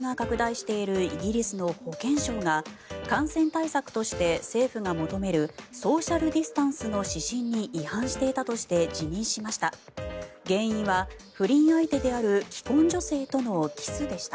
インド型が拡大しているイギリスの保健相が感染対策として政府が求めるソーシャル・ディスタンスの指針に違反していたとして辞任しました。